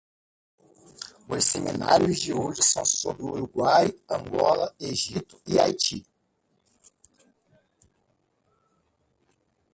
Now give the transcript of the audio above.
Os seminários de hoje são sobre o Uruguai, Angola, Egito e Haiti.